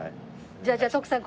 じゃあじゃあ徳さん